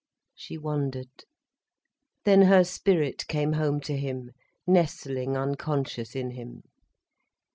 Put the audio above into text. She wondered. Then her spirit came home to him, nestling unconscious in him.